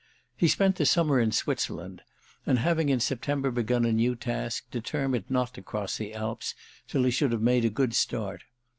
He spent the summer in Switzerland and, having in September begun a new task, determined not to cross the Alps till he should have made a good start.